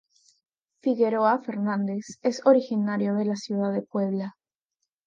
Figueroa Fernández es originario de la ciudad de Puebla.